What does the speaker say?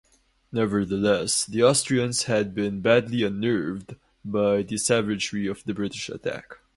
Nevertheless, the Austrians had been badly unnerved by the savagery of the British attack.